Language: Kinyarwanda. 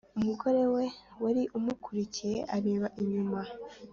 Umugore we wari umukurikiye areba inyuma